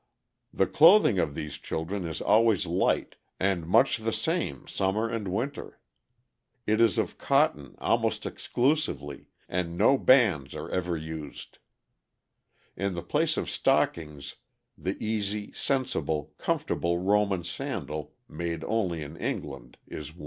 "The clothing of these children is always light, and much the same summer and winter. It is of cotton almost exclusively, and no bands are ever used. In the place of stockings the easy, sensible, comfortable Roman sandal, made only in England, is worn. [Illustration: THE BEST NATURED BABY I EVER SAW.